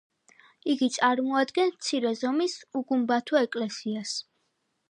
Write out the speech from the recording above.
იგი წარმოადგენს მცირე ზომის უგუმბათო ეკლესიას.